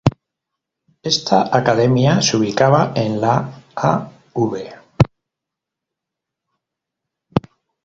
Esta academia se ubicaba en la Av.